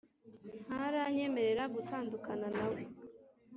ntaranyemerera gutandukana nawe,